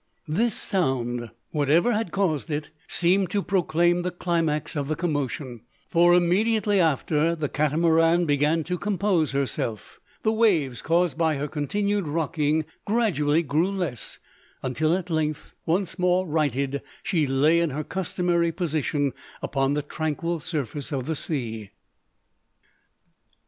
This sound, whatever had caused it, seemed to proclaim the climax of the commotion: for immediately after the Catamaran began to compose herself, the waves caused by her continued rocking gradually grew less, until at length, once more "righted," she lay in her customary position upon the tranquil surface of the sea.